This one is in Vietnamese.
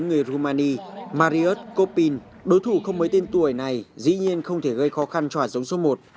người rumani mariusz kopin đối thủ không mấy tên tuổi này dĩ nhiên không thể gây khó khăn cho hạt giống số một